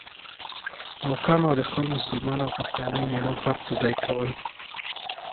او کام او د خپل مسلمان او پښتانه مېـړه پت په ځای کول،